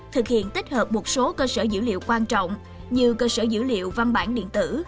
thực hiện tích hợp một số cơ sở dữ liệu quan trọng như cơ sở dữ liệu văn bản điện tử